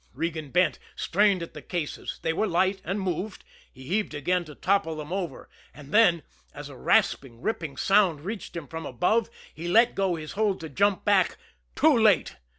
Regan bent, strained at the cases they were light and moved he heaved again to topple them over and then, as a rasping, ripping sound reached him from above, he let go his hold to jump back too late.